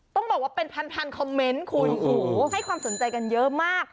ต้องบอกว่าเป็นพันคอมเมนต์คุณโอ้โหให้ความสนใจกันเยอะมาก